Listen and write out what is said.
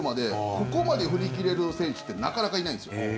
ここまで振り切れる選手ってなかなかいないんですよ。